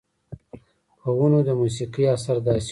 پۀ ونو د موسيقۍ اثر داسې وو